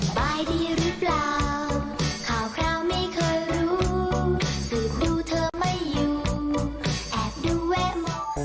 บายดีหรือเปล่าข่าวคราวไม่เคยรู้สืบดูเธอไม่อยู่แอบดูแวะมอง